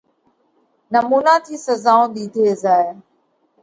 نمُونا ٿِي سزائون ۮِيڌي زائه۔